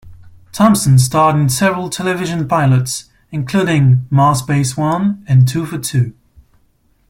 Thompson starred in several television pilots, including "Mars Base One" and "Two for Two".